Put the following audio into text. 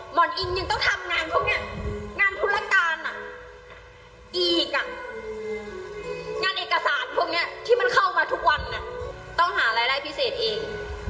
หมอนอิงยังต้องทำงานพวกนี้งานธุรการอีกงานเอกสารพวกนี้ที่มันเข้ามาทุกวันต้องหารายได้พิเศษเอง